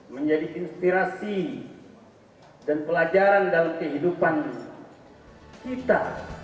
menjadi inspirasi dan pelajaran dalam kehidupan kita